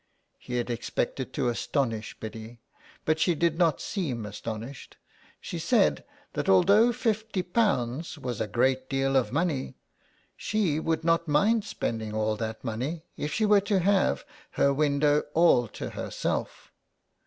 He had expected to astonish Biddy, but she did not seem astonished. She said that although fifty pounds was a great deal of money she would not mind spending all that money if she were to have her 51 SOME PARISHIONERS. window all to herself.